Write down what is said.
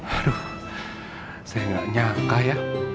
aduh saya nggak nyangka ya